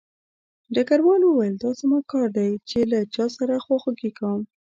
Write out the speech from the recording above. ډګروال وویل دا زما کار دی چې له چا سره خواخوږي کوم